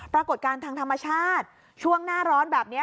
ปรากฏการณ์ทางธรรมชาติช่วงหน้าร้อนแบบนี้